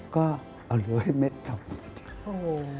ก็เอาเหลือให้เม็ดกลับโอ้โฮ